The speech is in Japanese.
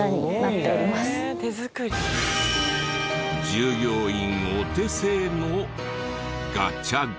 従業員お手製のガチャガチャ。